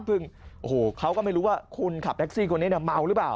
ซึ่งโอ้โหเขาก็ไม่รู้ว่าคุณขับแท็กซี่คนนี้เมาหรือเปล่า